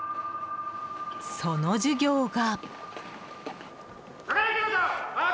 その授業が。